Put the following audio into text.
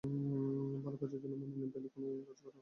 ভালো কাজের জন্য মনোনয়ন পেলে ভালো কাজ করার আগ্রহটা বেড়ে যায়।